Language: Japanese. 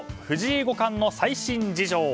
藤井五冠の最新事情。